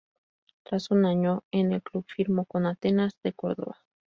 Tras un año en el club, firmó con Atenas de Córdoba.